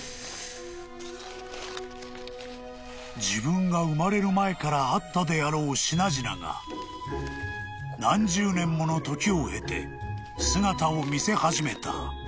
［自分が生まれる前からあったであろう品々が何十年もの時を経て姿を見せ始めた］